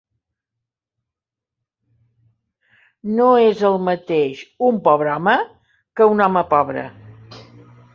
No és el mateix un pobre home que un home pobre.